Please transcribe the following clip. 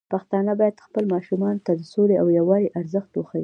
پښتانه بايد خپل ماشومان ته د سولې او يووالي ارزښت وښيي.